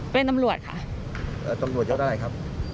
เป็นตำรวจค่ะตำรวจยศอะไรครับ